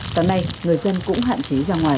sáng nay người dân cũng hạn chế ra ngoài